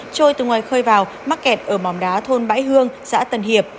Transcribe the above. trôi từ ngoài khơi vào mắc kẹt ở mòm đá thôn bãi hương xã tân hiệp